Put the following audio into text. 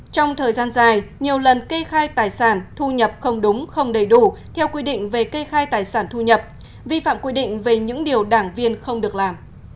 trong thời gian dài nhiều lần kê khai tài sản thu nhập không đúng không đầy đủ theo quy định về kê khai tài sản thu nhập vi phạm quy định về những điều đảng viên không được làm